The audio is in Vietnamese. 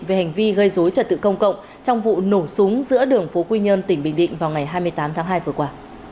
về hành vi gây dối trật tự công cộng trong vụ nổ súng giữa đường phố quy nhơn tỉnh bình định vào ngày hai mươi tám tháng hai vừa qua